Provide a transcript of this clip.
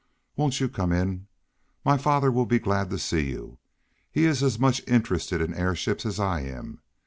"Won't you come in? My father will be glad to see you. He is as much interested in airships as I am."